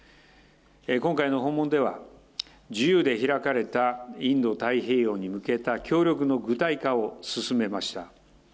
今回の訪問では、自由で開かれたインド太平洋に向けた協力の具体化を進めました。